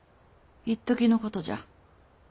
いっときのことじゃ。